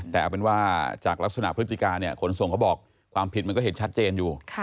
แต่เอาเป็นว่าจากลักษณะพฤติการเนี่ยขนส่งเขาบอกความผิดมันก็เห็นชัดเจนอยู่